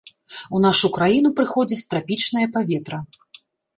У нашу краіну прыходзіць трапічнае паветра.